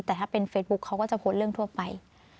แต่ถ้าเป็นเฟซบุ๊คเขาก็จะโพสต์เรื่องทั่วไป